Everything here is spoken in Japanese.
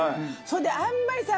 それであんまりさ